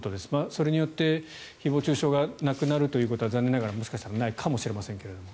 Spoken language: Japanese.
それによって誹謗・中傷がなくなるということは残念ながら、もしかしたらないかもしれませんが。